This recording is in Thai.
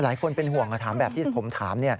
หลายคนเป็นห่วงถามแบบที่ผมถาม